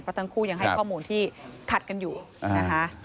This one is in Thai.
เพราะทั้งคู่ยังให้ข้อมูลที่ขัดกันอยู่นะคะ